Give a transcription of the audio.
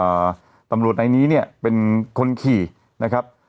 ตำรวจในนี้เนี่ยเป็นคนขี่นะครับ